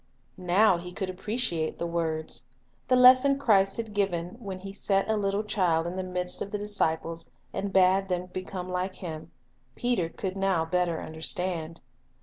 Now he could appreciate the words. The lesson Christ had given when He set a little child in the midst rue Lesson of the disciples and bade them become like him, Peter could now better understand.